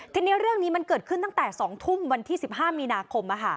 ทีนี้เรื่องนี้มันเกิดขึ้นตั้งแต่๒ทุ่มวันที่๑๕มีนาคม